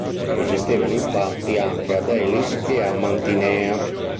Esistevano infatti anche ad Elis e a Mantinea.